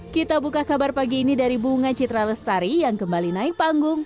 kita buka kabar pagi ini dari bunga citra lestari yang kembali naik panggung